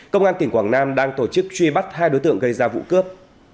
công an tỉnh quảng nam đang tổ chức truy bắt hai đối tượng gây ra vụ cướp